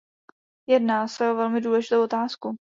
Jedná se o velmi důležitou otázku.